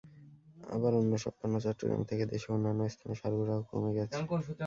আবার অন্যসব পণ্য চট্টগ্রাম থেকে দেশের অন্যান্য স্থানে সরবরাহ কমে গেছে।